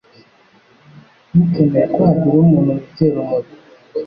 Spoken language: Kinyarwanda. Ntukemere ko hagira umuntu wegera umuriro